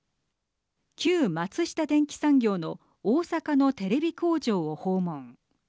旧松下電器産業の大阪のテレビ工場を訪問。